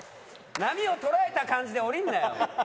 波を捉えた感じで降りるなよ！